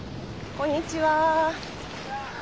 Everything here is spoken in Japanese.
こんにちは。